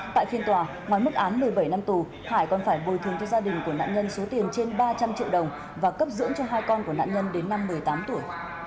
tại phiên tòa ngoài mức án một mươi bảy năm tù hải còn phải bồi thường cho gia đình của nạn nhân số tiền trên ba trăm linh triệu đồng và cấp dưỡng cho hai con của nạn nhân đến năm một mươi tám tuổi